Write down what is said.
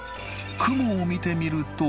雲を見てみると。